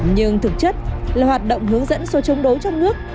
nhưng thực chất là hoạt động hướng dẫn số chống đối trong nước